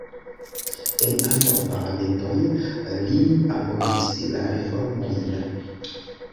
En ambaŭ parlamentoj li apogis la reformojn.